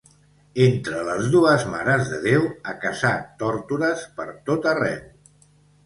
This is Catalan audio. Entre les dues Mares de Déu, a caçar tórtores per tot arreu.